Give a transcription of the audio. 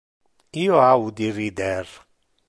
Io audi rider.